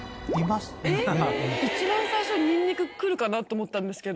一番最初ニンニク来るかなと思ったんですけど。